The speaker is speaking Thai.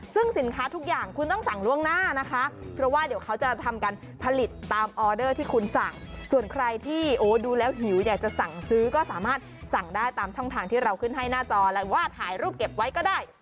ซึ่งสินค้าทุกอย่างคุณต้องสั่งล่วงหน้านะคะเพราะว่าเดี๋ยวเขาจะทำการผลิตตามออเดอร์ที่คุณสั่งส่วนใครที่โอ้ดูแล้วหิวอยากจะสั่งซื้อก็สามารถสั่งได้ตามช่องทางที่เราขึ้นให้หน้าจอแล้วว่าถ่ายรูปเก็บไว้ก็ได้